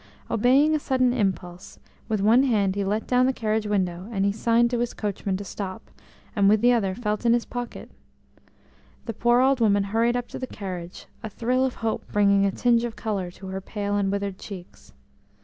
Obeying a sudden impulse, with one hand he let down the carriage window and signed to his coachman to stop, and with the other felt in his pocket. The poor old woman hurried up to the carriage, a thrill of hope bringing a tinge of colour to her pale and withered cheeks.